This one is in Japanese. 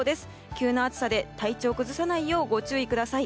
急な暑さで体調を崩さないようご注意ください。